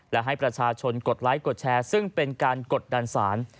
และให้ประชาชนกดไลค์กดแชร์ซึ่งเป็นการกดดันสาร